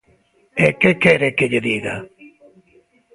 ¿E que quere que lle diga?